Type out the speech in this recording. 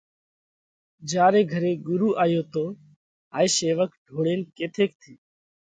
جيا ري گھري ڳرُو آيو تو هائي شيوَڪ ڍوڙينَ ڪٿئيڪ ٿِي